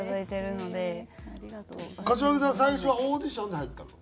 最初はオーディションで入ったの？